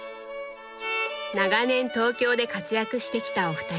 長年東京で活躍してきたお二人。